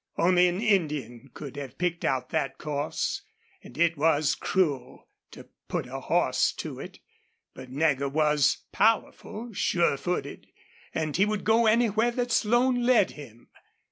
Only an Indian could have picked out that course, and it was cruel to put a horse to it. But Nagger was powerful, sure footed, and he would go anywhere that Slone led him.